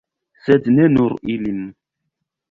Sed ne nur ilin.